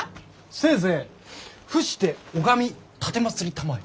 せいぜい伏して拝み奉りたまえ。